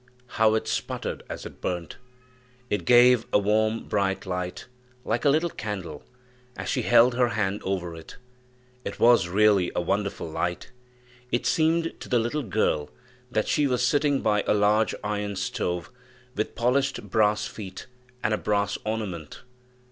how it sputtered as it burnt! It gave a warm, bright light, like a little candle, as she held her hand over it. It was really a wonderful light. It seemed to the little girl that she was sitting by a large iron stove, with polished brass feet and a brass ornament.